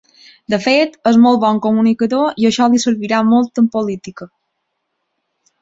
De fet, és molt bon comunicador i això li servirà molt en política.